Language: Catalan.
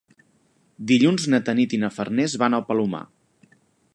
Dilluns na Tanit i na Farners van al Palomar.